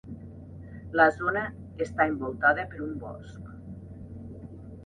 La zona està envoltada per un bosc.